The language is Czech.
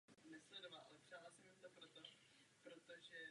Hráči také samostatně nebo v týmech soutěží o co nejvyšší umístění v žebříčku.